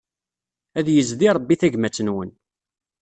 Ad yezdi Rebbi tagmat-nwen.